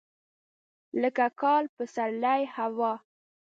لکه کال، پسرلی، هوا.